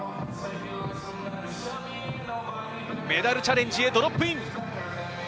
メダルチャレンジへドロップイン。